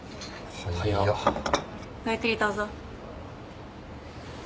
ごゆっくりどうぞ。